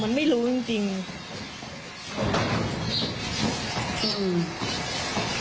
มึงอยากให้ผู้ห่างติดคุกหรอ